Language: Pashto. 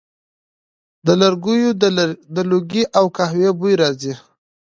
د لرګیو د لوګي او قهوې بوی راځي